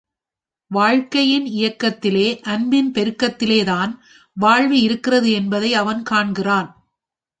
வாழ்க்கையின் இயக்கத்திலே அன்பின் பெருக்கத்திலேதான் வாழ்வு இருக்கிறது என்பதை அவன் காண்கிறான்.